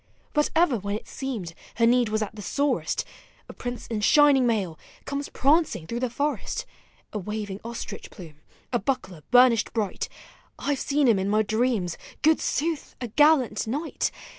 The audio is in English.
But ever when it seemed— her need was at the sorest, A prince in shining mail — comes prancing through the forest, A waving ostrich plume — a buckler burnished bright; I 've seen him in my dreams — good sooth ! a gallant knight.